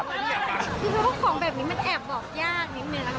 จริงพวกของแบบนี้มันแอบบอกยากนิดหนึ่งนะครับ